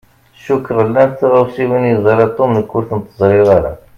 Cukkeɣ llan tɣawsiwin i yeẓṛa Tom nekk ur tent-ẓṛiɣ ara.